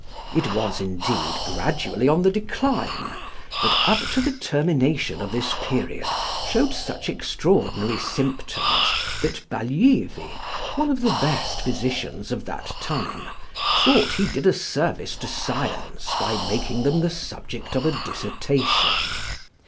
It was indeed, gradually on the decline, but up to the termination of this period showed such extraordinary symptoms that Baglivi, one of the best physicians of that time, thought he did a service to science by making them the subject of a dissertation.